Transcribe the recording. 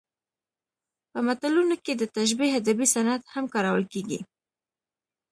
په متلونو کې د تشبیه ادبي صنعت هم کارول کیږي